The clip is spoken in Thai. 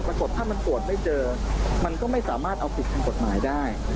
ปรากฏถ้ามันตรวจไม่เจอมันก็ไม่สามารถเอาผิดทางกฎหมายได้